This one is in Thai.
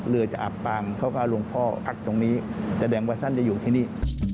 เรือจะอับปางเขาก็อาวุงพ่ออับตรงนี้แต่แดงวัฒนจะอยู่ที่นี่